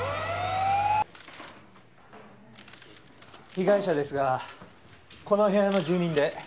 被害者ですがこの部屋の住人で江島義紀。